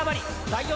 第４